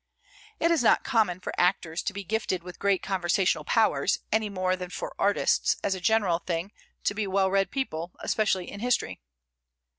It is not common for actors to be gifted with great conversational powers, any more than for artists, as a general thing, to be well read people, especially in history.